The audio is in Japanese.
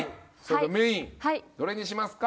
メインどれにしますか？